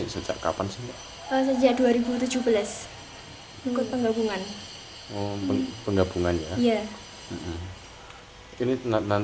sejak dua ribu tujuh belas mengikut penghubungan